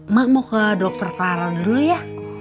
mak mau ke dokter karan dulu ya